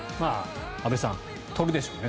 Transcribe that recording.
安部さん、取るでしょうね